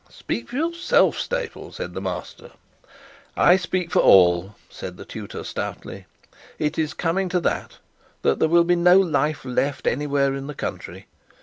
'Speak for yourself, Staple,' said the master. 'I speak for all,' said the tutor stoutly. 'It is coming to that, that there will be no life left anywhere in the country.